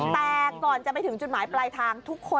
แต่ก่อนจะไปถึงจุดหมายปลายทางทุกคน